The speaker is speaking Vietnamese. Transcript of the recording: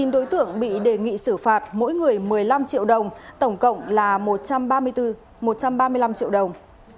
chín đối tượng bị đề nghị xử phạt mỗi người một mươi năm triệu đồng tổng cộng là một trăm ba mươi năm triệu đồng